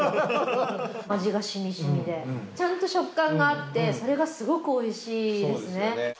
味がしみしみでちゃんと食感があってそれがすごくおいしいですね。